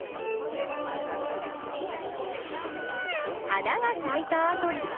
花がさいたあとには？